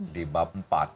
di bab empat